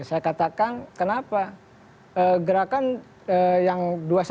saya katakan kenapa gerakan yang dua ratus dua belas dua ribu enam belas